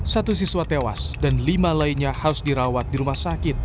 satu siswa tewas dan lima lainnya harus dirawat di rumah sakit